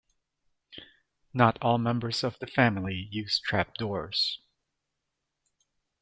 Not all members of the family use trapdoors.